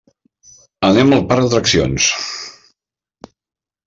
Anem al parc d'atraccions.